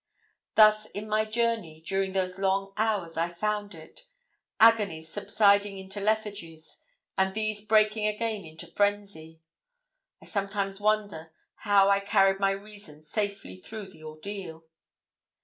Thus in my journey during those long hours I found it agonies subsiding into lethargies, and these breaking again into frenzy. I sometimes wonder how I carried my reason safely through the ordeal.